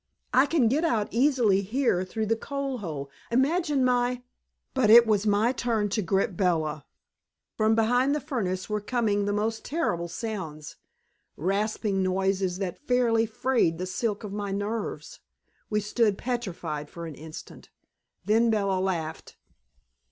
"I can get out easily here, through the coal hole. Imagine my " But it was my turn to grip Bella. From behind the furnace were coming the most terrible sounds, rasping noises that fairly frayed the silk of my nerves. We stood petrified for an instant. Then Bella laughed.